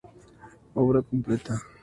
Obra Completa.